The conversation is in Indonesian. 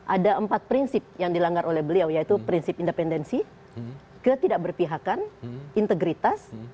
ada empat prinsip yang dilanggar oleh beliau yaitu prinsip independensi ketidakberpihakan integritas